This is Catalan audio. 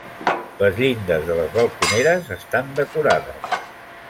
Les llindes de les balconeres estan decorades.